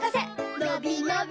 のびのび